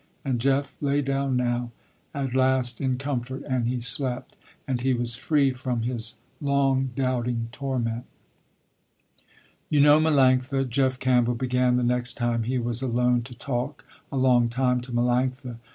And Jeff lay down now, at last in comfort, and he slept, and he was free from his long doubting torment. "You know Melanctha," Jeff Campbell began, the next time he was alone to talk a long time to Melanctha.